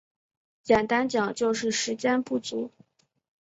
简单讲就是时间不足